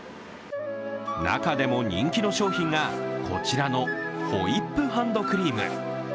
中でも人気の商品がこちらのホイップハンドクリーム。